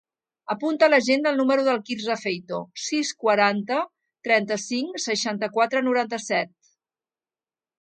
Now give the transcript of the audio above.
Apunta a l'agenda el número del Quirze Feito: sis, quaranta, trenta-cinc, seixanta-quatre, noranta-set.